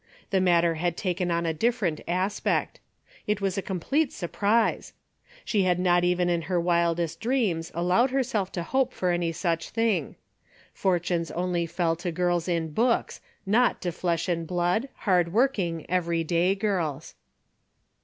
The matter had taken on a different aspect. It was a complete sur prise. She had not even in her wildest dreams allowed herself to hope for any such thing. Fortunes only fell to girls in books, not to flesh and blood, hard working, everyday girls.